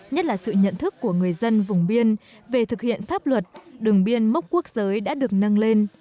nhất là sự nhận thức của người dân vùng biên về thực hiện pháp luật đường biên mốc quốc giới đã được nâng lên